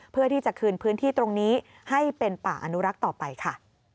เพื่อที่จะคืนพื้นที่ตรงนี้ให้เป็นป่าอนุรักษ์ต่อไปค่ะ